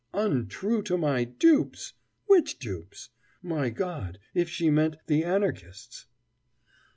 Untrue to my dupes! Which dupes? My God, if she meant the Anarchists!